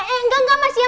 enggak enggak mas ya